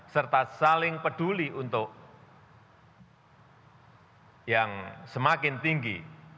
serta saling peduli untuk yang semakin tinggi